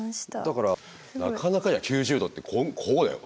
だからなかなかや９０度ってこうだよ。